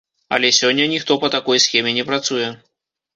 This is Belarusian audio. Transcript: Але сёння ніхто па такой схеме не працуе.